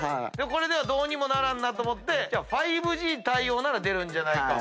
これではどうにもならんなと思って「５Ｇ」「対応」なら出るんじゃないか。